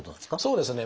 そうですね。